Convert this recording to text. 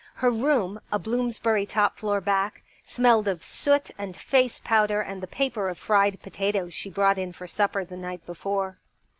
Her room, a Blooms bury top floor back, smelled of soot and face powder and the paper of fried potatoes she brought in for supper the night before.